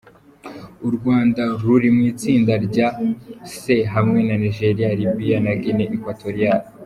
U Rwanda ruri mu itsinda rya C hamwe na Nigeria, Libya na Guinée Equatoriale.